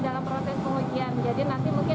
dalam proses pengujian